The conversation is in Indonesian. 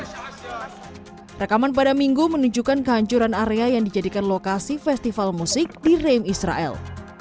pada hari ini perjalanan tersebut menunjukkan kehancuran area yang dijadikan lokasi festival musik di reim israel